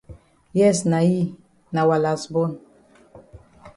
Yes na yi, na wa las bon.